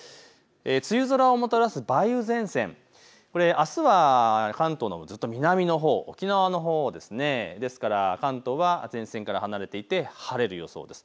梅雨空をもたらす梅雨前線、これ、あすは関東のずっと南のほう、沖縄のほうですね、ですから関東は前線から離れていて晴れる予想です。